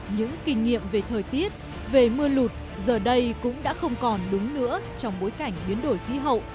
những kinh nghiệm về thời tiết về mưa lụt giờ đây cũng đã không còn đúng nữa trong bối cảnh biến đổi khí hậu